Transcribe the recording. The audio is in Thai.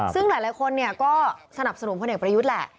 ซึ่งหลายคนก็สนับสนุนพลเอกประยุทธ์แหละ